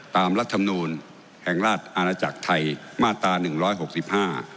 รัฐมนูลแห่งราชอาณาจักรไทยมาตราหนึ่งร้อยหกสิบห้า